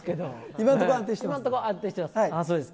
今のところ安定してます、